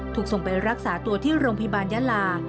ถูกส่งไปรักษาตัวที่โรงพยาบาลยาลา